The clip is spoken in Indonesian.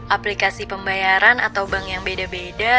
aplikasi pembayaran atau bank yang beda beda